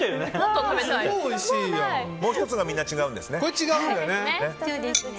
もう１つがみんな違うんですね。